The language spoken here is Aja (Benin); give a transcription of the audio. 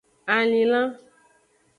Alinlan.